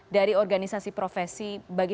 dari organisasi profesi bagi